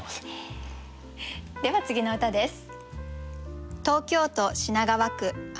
では次の歌です。